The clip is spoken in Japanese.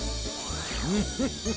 フフフッ。